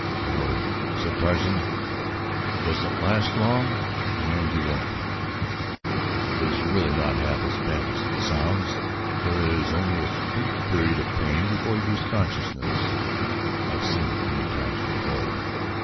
"Don't worry," said Tarzan. "It doesn't last long and you won't funk. It is really not half as bad as it sounds. There is only a brief period of pain before you lose consciousness. I have seen it many times before.